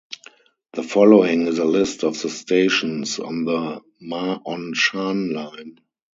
The following is a list of the stations on the Ma On Shan Line.